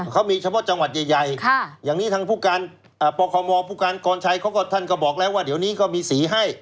เขามีเฉพาะจังหวัดใหญ่อย่างนี้ทางปกรณ์ปกรณ์กรชัยท่านก็บอกแล้วว่าเดี๋ยวนี้ก็มีสีให้